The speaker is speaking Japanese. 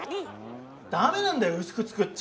ダメなんだよ薄く作っちゃ。